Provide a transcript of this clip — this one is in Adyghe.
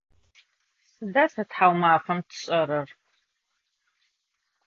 Sıda te thaumafem tş'erer?